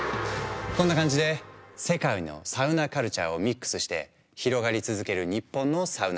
こんな感じで世界のサウナカルチャーをミックスして広がり続ける日本のサウナシーン。